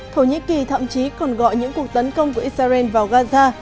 thổ nhĩ kỳ thậm chí còn gọi những cuộc tấn công của israel vào gaza